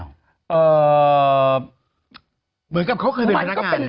เหมือนกับเขาเคยเป็นนักงาน